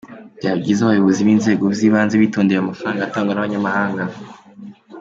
Byaba byiza abayobozi b’inzego z’ibanze bitondeye aya mafaranga atangwa n’abanyamahanga.